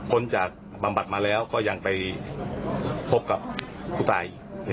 คนจะบำบัดมาแล้วก็ยังไปพบกับผู้ตาย